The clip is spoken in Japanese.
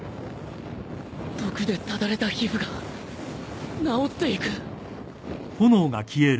毒でただれた皮膚が治っていく。